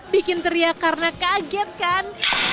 bikin teriak karena kaget kan